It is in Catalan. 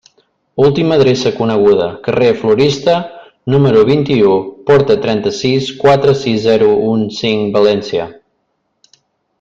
Última adreça coneguda: carrer Florista, número vint-i-u, porta trenta-sis, quatre sis zero un cinc, València.